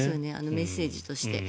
メッセージとして。